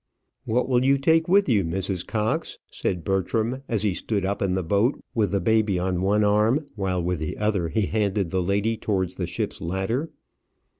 "What will you take with you, Mrs. Cox?" said Bertram, as he stood up in the boat with the baby on one arm, while with the other he handed the lady towards the ship's ladder.